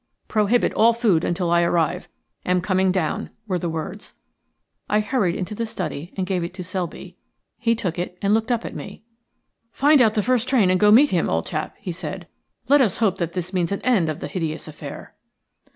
"Prohibit all food until I arrive. Am coming down," were the words. I hurried into the study and gave it to Selby. He it and looked up at me. "Find out the first train and go and meet him, old chap," he said. "Let us hope that this means an end of the hideous affair."